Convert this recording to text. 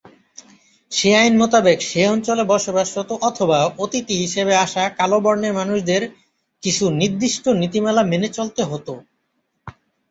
সে আইন মোতাবেক সে অঞ্চলে বসবাসরত অথবা অতিথি হিসেবে আসা কালো বর্ণের মানুষদের কিছু নির্দিষ্ট নীতিমালা মেনে চলতে হতো।